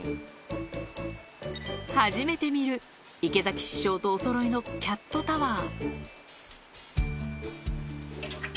初めて見る池崎師匠とおそろいのキャットタワー。